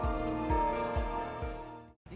itu adalah industri film